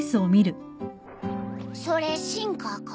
それ進化か？